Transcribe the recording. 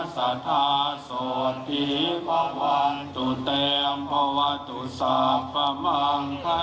อิชิตังปัทธิตังตุมหังกิปะเมวะตมิจตุสัพเพภูเรนตุสังกะป่า